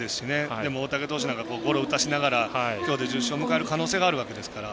でも、大竹投手なんかはゴロを打たせながら今日で１０勝を迎える可能性があるわけですから。